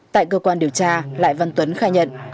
tại cơ quan điều tra lại văn tuấn khai nhận